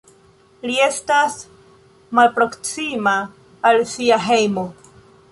Li estas malproksima de sia hejmo.